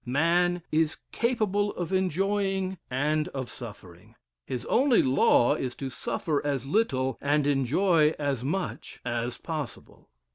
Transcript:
Man is capable of enjoying and of suffering; his only law is to suffer as little, and enjoy as much, as possible.